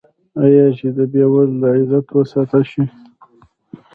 آیا چې د بې وزله عزت وساتل شي؟